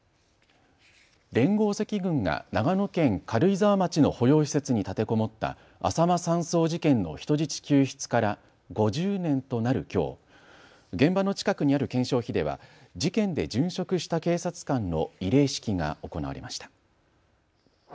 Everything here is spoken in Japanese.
連合赤軍が長野県軽井沢町の保養施設に立てこもったあさま山荘事件の人質救出から５０年となるきょう、現場の近くにある顕彰碑では事件で殉職した警察官の慰霊式が行われました。